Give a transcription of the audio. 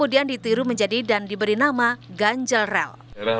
dan diberi nama ganjrel